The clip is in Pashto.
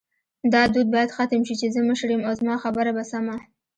دا دود باید ختم شې چی زه مشر یم او زما خبره به سمه